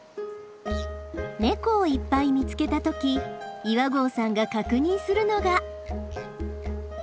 ネコをいっぱい見つけた時岩合さんが確認するのが。